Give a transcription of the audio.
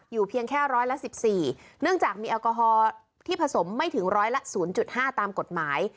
อยู่เพียงแค่ร้อยละสิบสี่เนื่องจากมีแอลกอฮอล์ที่ผสมไม่ถึงร้อยละศูนย์จุดห้าตามกฎหมาย